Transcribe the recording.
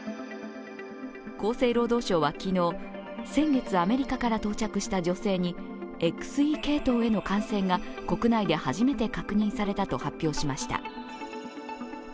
厚生労働省は昨日、先月アメリカから到着した女性にＸＥ系統への感染が国内で初めて確認されたと発表しました。